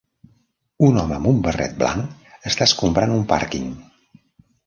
Un home amb un barret blanc està escombrant un pàrquing.